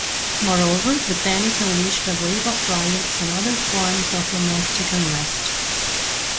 Moreover, the panic unleashed a wave of riots and other forms of domestic unrest.